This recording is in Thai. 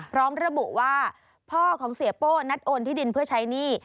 พร้อมระบุว่าพ่อของเสียโป้นัดโอนที่ดินเพื่อใช้หนี้